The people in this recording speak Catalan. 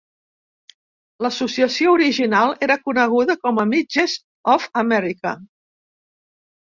L'associació original era coneguda com a "Midgets of America".